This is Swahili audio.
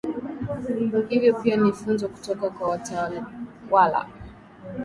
hivo pia ni funzo kutoka kwa watawala